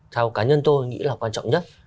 theo cá nhân tôi nghĩ là quan trọng nhất